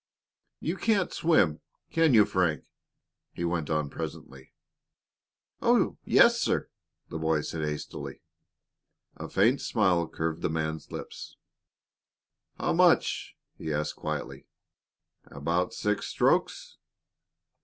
"You can't swim, can you, Frank?" he went on presently. "Oh, yes, sir!" the boy said hastily. A faint smile curved the man's lips. "How much?" he asked quietly. "About six strokes?"